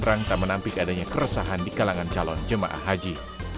perang tak menampik adanya keresahan di kalangan calon jemaah haji